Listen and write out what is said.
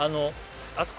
あそこ